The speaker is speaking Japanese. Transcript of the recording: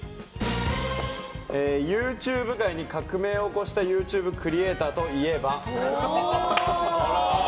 ＹｏｕＴｕｂｅ界に革命を起こしたＹｏｕＴｕｂｅクリエーターといえば？